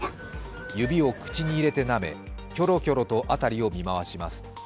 指を口に入れてなめ、キョロキョロと辺りを見回します。